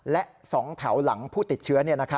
และ๒แถวหลังผู้ติดเชื้อ